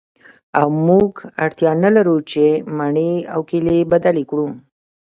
او موږ اړتیا نلرو چې مڼې او کیلې بدلې کړو